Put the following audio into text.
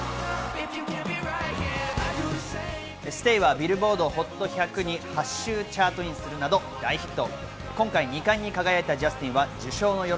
ビルボードＨＯＴ１００に８週チャートインするなど大ヒット。